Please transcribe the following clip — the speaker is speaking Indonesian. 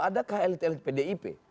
adakah elit elit pdip